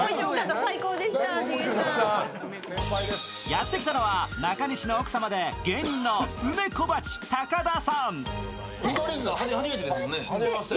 やってきたのは中西の奥様で芸人の梅小鉢・高田さん。